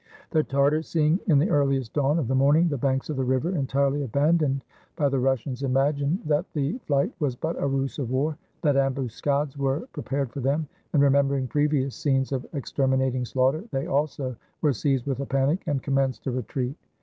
The Tartars, seeing, in the earliest dawn of the morning, the banks of the river en tirely abandoned by the Russians, imagined that the flight was but a ruse of war, that ambuscades were pre pared for them, and, remembering previous scenes of exterminating slaughter, they, also, were seized with a panic, and commenced a retreat.